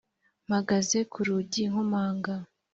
mpagaze ku rugi nkomanga